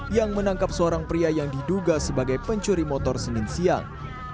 yang menangkap seorang pria yang diduga sebagai pencuri motor senin siang